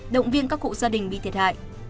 động viên các cụ gia đình bị thiệt hại